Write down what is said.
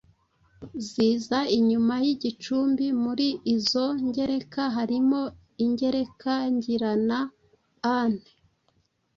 ziza inyuma y’igicumbi. Muri izo ngereka harimo ingereka ngirana –an,